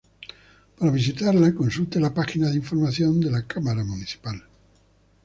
Para visitarla consulte la página de informaciones de la Cámara Municipal.